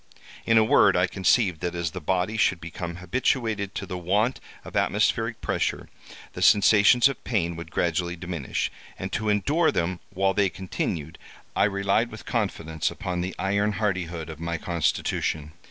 In a word, I conceived that, as the body should become habituated to the want of atmospheric pressure, the sensations of pain would gradually diminish—and to endure them while they continued, I relied with confidence upon the iron hardihood of my constitution.